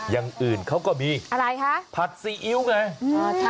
อย่างอื่นเขาก็มีผัดซีอิ๊วไงอะไรคะ